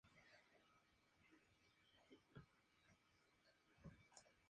Paseo Las Industrias.